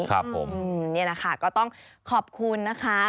ครับผมนี่แหละค่ะก็ต้องขอบคุณนะคะ